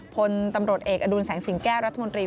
พลตำรวจเอกอดุลแสงสิงแก้วรัฐมนตรี